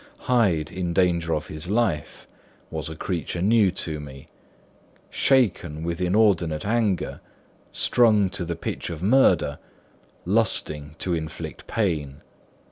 Hyde in danger of his life was a creature new to me; shaken with inordinate anger, strung to the pitch of murder, lusting to inflict pain.